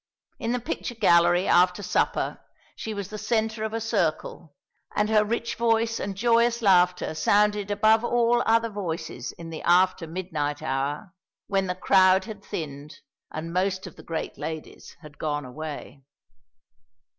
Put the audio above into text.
In the picture gallery, after supper, she was the centre of a circle, and her rich voice and joyous laughter sounded above all other voices in the after midnight hour, when the crowd had thinned and most of the great ladies had gone away.